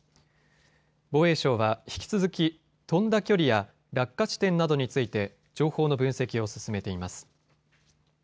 防衛省は引き続き飛んだ距離や落下地点などについて情報の分析を進めています。